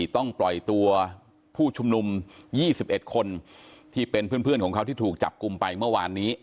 ต้องปล่อยตัวผู้ชุมนุม๒๑คนที่เป็นเพื่อนของเขาที่ถูกจับกลุ่มไปเมื่อวานนี้